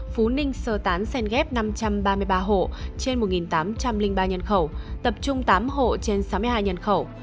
phú ninh sơ tán sen ghép năm trăm ba mươi ba hộ trên một tám trăm linh ba nhân khẩu tập trung tám hộ trên sáu mươi hai nhân khẩu